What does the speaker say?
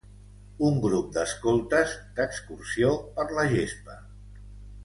Un grup d'escoltes d'excursió per la gespa.